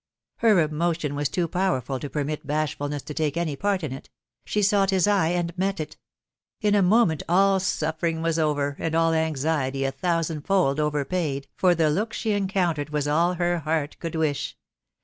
Her emotion was too powerful to permit baahfnfaoea to take any part in it ; she sought his eye, and met it. In m naasntnt all suffering was over, and all anxiety a thousandfold over paid, for the look she encountered was all her heart could wish.